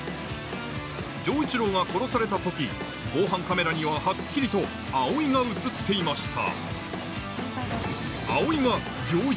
丈一郎が殺された時防犯カメラにはハッキリと葵が映っていました